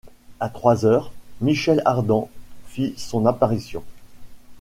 À trois heures, Michel Ardan fit son apparition